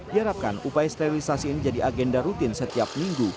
diharapkan upaya sterilisasi ini jadi agenda rutin setiap minggu